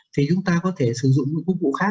thì chúng ta có thể sử dụng một công cụ khác